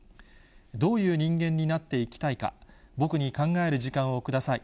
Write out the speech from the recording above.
どういう人間になっていきたいか、僕に考える時間をください。